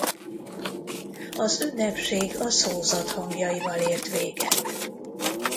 Az ünnepség a Szózat hangjaival ért véget.